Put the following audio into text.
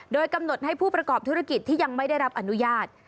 โดยกำหนดให้ผู้ประกอบธุรกิจที่ยังไม่ได้รับอนุญาต